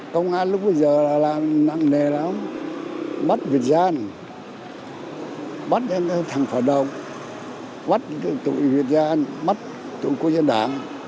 công an lúc bây giờ là nặng nề lắm bắt việt giang bắt thằng phạm đông bắt tụi việt giang bắt tụi quốc gia đảng